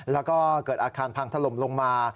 แล้วก็เกิดอาคารพังถล่มลงมา